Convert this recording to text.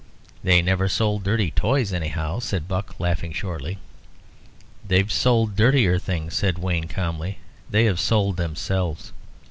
"They've never sold dirty toys, anyhow," said Buck, laughing shortly. "They've sold dirtier things," said Wayne, calmly: "they have sold themselves."